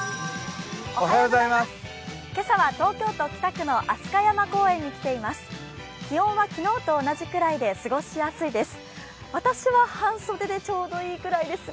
今朝は東京都北区の飛鳥山公園に来ています。